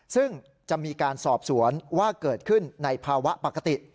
ซึ่งจะมีการสอบสวนว่าเกิดขึ้นในภาวะปกติ